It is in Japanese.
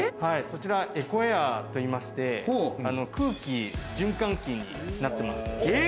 そちら、エコエアーと言いまして、空気循環器になってます。